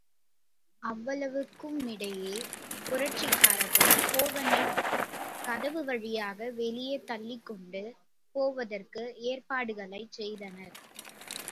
அவ்வளவுக்குமிடையே புரட்சிக்காரர்கள் ஹோகனைக் கதவு வழியாக வெளியே தள்ளிக்கொண்டு போவதற்கு ஏற்பாடுகளைச் செய்தனர்.